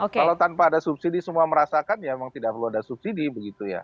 kalau tanpa ada subsidi semua merasakan ya memang tidak perlu ada subsidi begitu ya